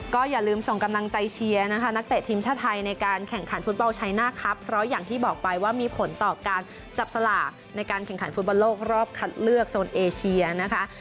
ก็อย่าลืมส่งกำลังใจเชียร์นะคะนักเตะทีมชาติไทยในการแข่งขันฟุตบอลชัยหน้าครับเพราะอย่างที่บอกไปว่ามีผลต่อการจับสลากในการแข่งขันฟุตบอลโลกรอบคัดเลือกโซนเอเชียนะคะ